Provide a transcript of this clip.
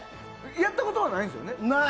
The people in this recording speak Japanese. やったことはないんでしょ？